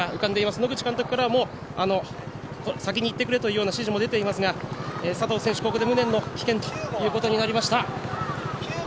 野口監督からも先に行ってくれというような指示も出ていますが佐藤選手、ここで無念の棄権ということになりました。